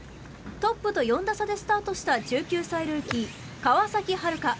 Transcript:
トップと４打差でスタートした１９歳ルーキー、川崎春花。